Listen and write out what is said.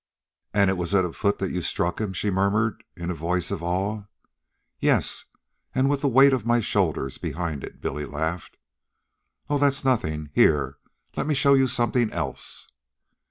"And it was at a foot that you struck him," she murmured in a voice of awe. "Yes, and with the weight of my shoulders behind it," Billy laughed. "Oh, that's nothing. Here, let me show you something else."